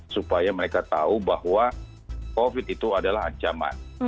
supaya mereka tahu bahwa covid itu adalah ancaman